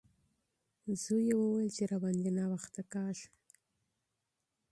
زوی یې وویل چې راباندې ناوخته کیږي.